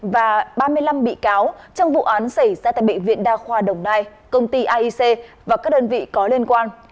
và ba mươi năm bị cáo trong vụ án xảy ra tại bệnh viện đa khoa đồng nai công ty aic và các đơn vị có liên quan